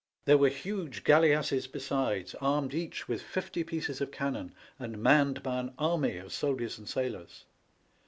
There were huge galleasses besides, armed each with fifty pieces of cannon, and manned by an army of soldiers and sailors.